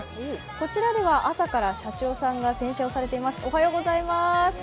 こちらでは朝から社長さんが洗車をされています。